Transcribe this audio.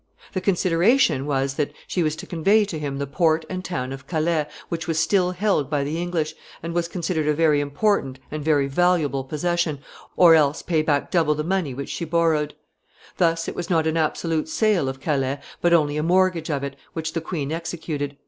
The consideration was that she was to convey to him the port and town of Calais, which was still held by the English, and was considered a very important and very valuable possession, or else pay back double the money which she borrowed. [Sidenote: Mortgage of Calais.] Thus it was not an absolute sale of Calais, but only a mortgage of it, which the queen executed.